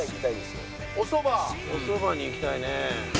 おそばに行きたいね。